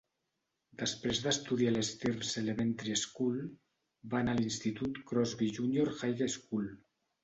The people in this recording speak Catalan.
Després d'estudiar a l'Stearns Elementary School, va anar a l'institut Crosby Junior High School.